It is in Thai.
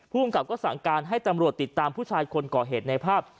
ภูมิกับก็สั่งการให้ตำรวจติดตามผู้ชายคนก่อเหตุในภาพ